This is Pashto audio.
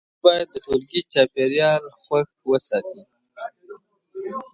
ماشوم باید د ټولګي چاپېریال خوښ وساتي.